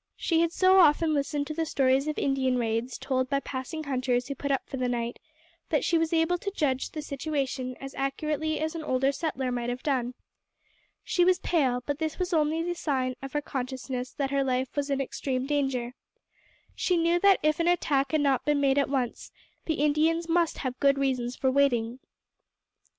She had so often listened to the stories of Indian raids told by passing hunters who put up for the night, that she was able to judge the situation as accurately as an older settler might have done. She was pale, but this was the only sign of her consciousness that her life was in extreme danger. She knew that if an attack had not been made at once, the Indians must have good reasons for waiting.